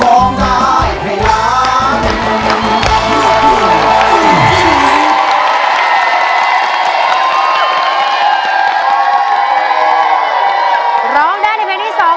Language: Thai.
สองหมื่นบาทครับ